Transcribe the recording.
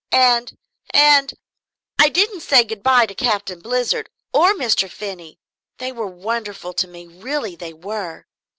"And and I didn't say good bye to Captain Blizzard or Mr. Finney. They were wonderful to me, really they were!